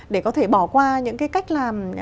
để có thể bỏ qua những cái cách làm